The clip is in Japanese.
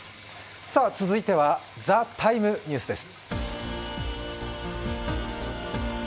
続いては「ＴＨＥＴＩＭＥ，ニュース」です。